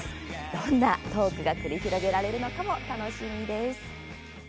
どんなトークが繰り広げられるのかも楽しみです。